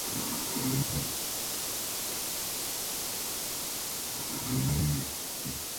La perestroika dio lugar a grandes reformas democráticas.